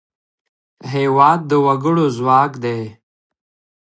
هېواد د وګړو ځواک دی.